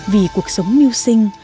vì cuộc sống mưu sinh